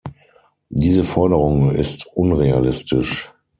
Diese Forderung ist unrealistisch.